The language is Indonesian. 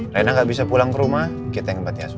reina gak bisa pulang rumah kita ke matiasuan